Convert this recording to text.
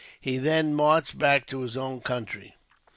He then marched back to his own country.